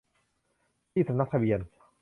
ที่สำนักทะเบียน